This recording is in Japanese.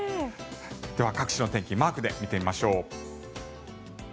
各地の天気マークで見てみましょう。